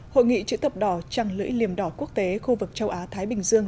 hội nghị chữ thập đỏ trăng lưỡi liềm đỏ quốc tế khu vực châu á thái bình dương